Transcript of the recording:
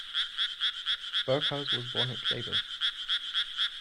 Berghaus was born at Kleve.